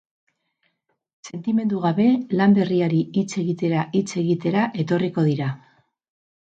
Sentimendu gabe lan berriari hitz egitera hitz egitera etorriko dira.